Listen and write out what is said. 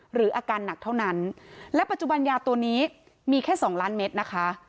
อาการหนักเท่านั้นและปัจจุบันยาตัวนี้มีแค่สองล้านเมตรนะคะ